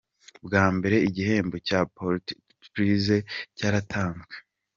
Bwa mbere igihembo cya Pulitzer Prize cyaratanzwe.